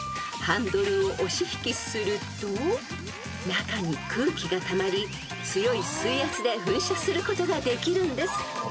［ハンドルを押し引きすると中に空気がたまり強い水圧で噴射することができるんです］